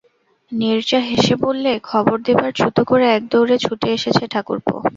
নীরজা হেসে বললে, খবর দেবার ছুতো করে একদৌড়ে ছুটে এসেছ ঠাকুরপো!